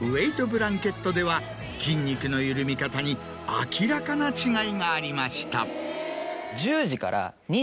ブランケットでは筋肉の緩み方に明らかな違いがありました。